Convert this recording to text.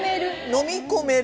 飲み込める。